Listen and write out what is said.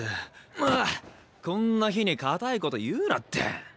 まぁこんな日にカタイこと言うなって。